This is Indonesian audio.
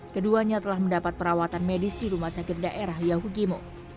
keduanya telah mendapat perawatan medis di rumah sakit daerah yahukimo